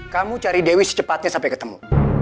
kamu cari dewi secepatnya sampai ketemu